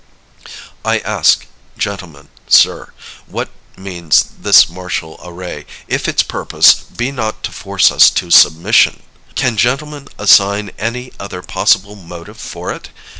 I ask, gentlemen, sir, what means this martial array, if its purpose be not to force us to submission? Can gentlemen assign any other possible motive for it?